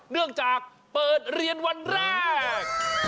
เนื่องจากเปิดเรียนวันแรก